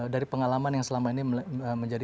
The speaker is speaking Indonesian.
dari pengalaman yang selama ini menjadi